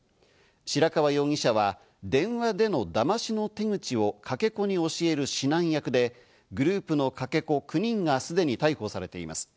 白川容疑者は電話でのだましの手口をかけ子に教える指南役で、グループのかけ子９人がすでに逮捕されています。